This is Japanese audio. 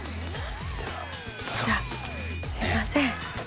じゃあすいません。